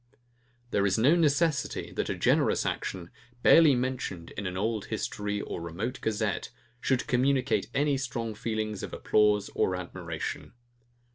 There is no necessity, that a generous action, barely mentioned in an old history or remote gazette, should communicate any strong feelings of applause and admiration.